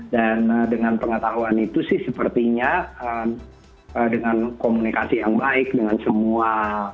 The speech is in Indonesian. dan dengan pengetahuan itu sih sepertinya dengan komunikasi yang baik dengan semua